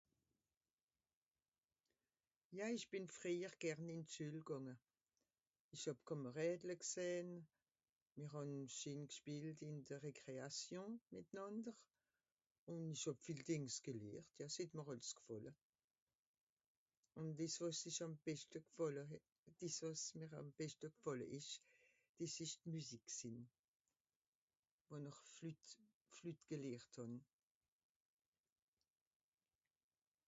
ja ìsch bìn freijer gern ìn d'schuel gànge ìsch hàb d'kàmerädle g'sähn mr hàn scheen g'schpielt ìn de récréation mìtnànder ùn esch hàb viel dìngs gelehrt dàs het mr àls g'fàlle ùn des wàs'isch àm beschte g'fàlle het des wàs mr àm beschte g'fàlle esch des esch d'musique gsìn wo nr d'flüte flüte gelehrt hàn